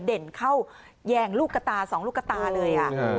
เด่นเข้าแยงลูกตาสองลูกตาเลย